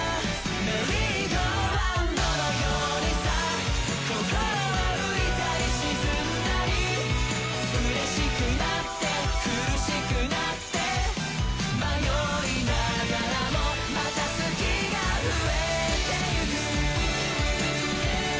メリーゴーラウンドのようにさココロは浮いたり沈んだり嬉しくなって苦しくなって迷いながらもまた好きが増えていく